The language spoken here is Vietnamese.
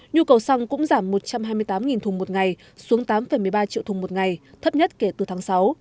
nhu cầu xăng cũng giảm một trăm hai mươi tám thùng một ngày xuống tám một mươi ba triệu thùng một ngày thấp nhất kể từ tháng sáu